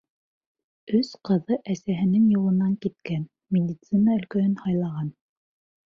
Өс ҡыҙы әсәһенең юлынан киткән: медицина өлкәһен һайлаған.